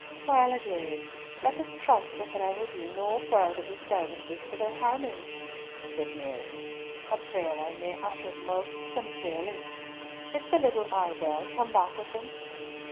"Well a day, let us trust that there will be no further disturbances to their harmony," said Mary, "a prayer I may utter most sincerely. Is the little Arbell come back with them?"